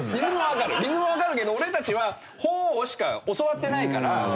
リズムはわかるけど俺たちは「Ｈｏ」しか教わってないから。